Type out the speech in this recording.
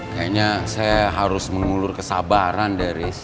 kayaknya saya harus mengulur kesabaran deh riz